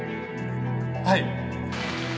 はい